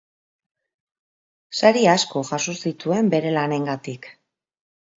Sari asko jaso zituen bere lanengatik.